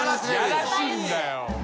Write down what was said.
やらしいんだよ。